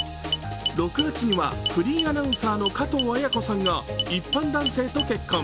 ６月にはフリーアナウンサーの加藤綾子さんが一般男性と結婚。